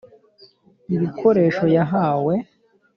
ibikoresho yahawe.